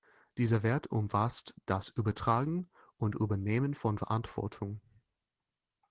Dieser Wert umfasst das Übertragen und Übernehmen von Verantwortung.